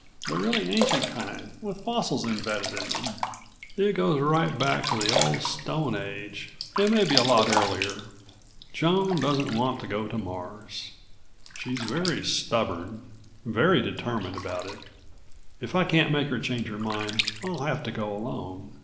"The really ancient kind with fossils embedded in them. It goes right back to the Old Stone Age, and maybe a lot earlier. Joan doesn't want to go to Mars. She's very stubborn, very determined about it. If I can't make her change her mind I'll have to go alone.